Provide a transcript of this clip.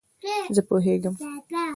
زه پوهېږم !